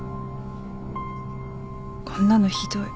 こんなのひどい。